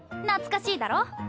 懐かしいだろ？